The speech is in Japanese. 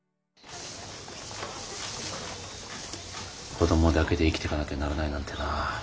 子どもだけで生きてかなきゃならないなんてな。